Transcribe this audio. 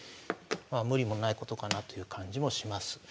まあ無理もないことかなという感じもします。